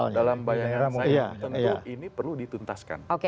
kalau di dalam bayangan saya tentu ini perlu dituntaskan